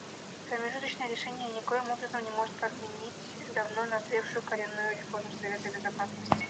Промежуточное решение никоим образом не может подменить давно назревшую коренную реформу Совета Безопасности.